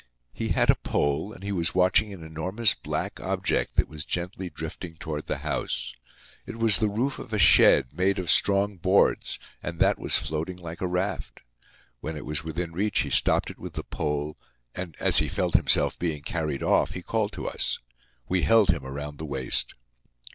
He had a pole and he was watching an enormous black object that was gently drifting toward the house. It was the roof of a shed, made of strong boards, and that was floating like a raft. When it was within reach he stopped it with the pole, and, as he felt himself being carried off, he called to us. We held him around the waist.